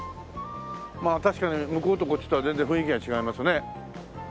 確かに向こうとこっちとは全然雰囲気が違いますね。